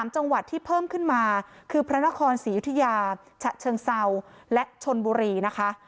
๓จังหวัดที่เพิ่มขึ้นมาคือพระนครศรีอยุธยาฉะเชิงเศร้าและชนบุรีนะคะ